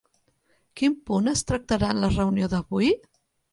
Quin punt es tractarà en la reunió d'avui?